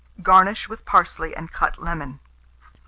Garnish with parsley and cut lemon.